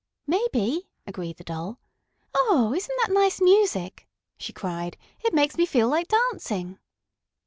"Maybe," agreed the Doll. "Oh, isn't that nice music!" she cried. "It makes me feel like dancing!"